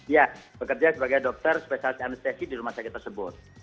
ya bekerja sebagai dokter spesialis anestesi di rumah sakit tersebut